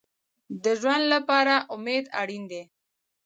د ژوند لپاره امید اړین دی